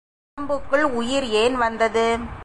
உடம்புக்குள் உயிர் ஏன் வந்தது?